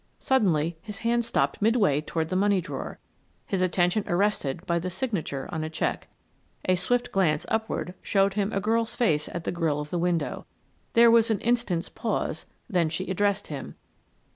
Suddenly his hand stopped midway toward the money drawer, his attention arrested by the signature on a check. A swift glance upward showed him a girl's face at the grille of the window. There was an instant's pause, then she addressed him.